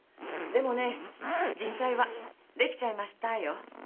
でもね実際は「出来ちゃいました」よ。